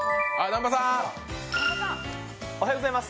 おはようございます。